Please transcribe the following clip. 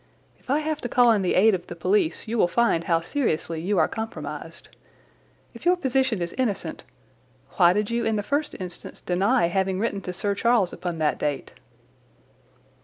If I have to call in the aid of the police you will find how seriously you are compromised. If your position is innocent, why did you in the first instance deny having written to Sir Charles upon that date?"